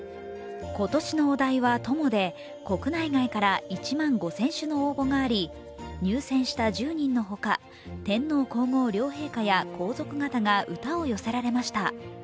今年のお題は「友」で国内外から１万５０００首の応募があり入選した１０人のほか、天皇皇后両陛下や皇族方が歌を寄せられました。